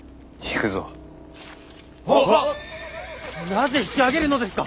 なぜ引き揚げるのですか！